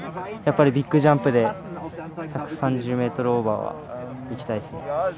ビッグジャンプで１３０ｍオーバー行きたいですね。